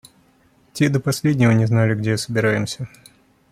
Те до последнего не знали, где собираемся.